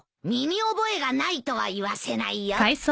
身に覚えがないとは言わせないよ。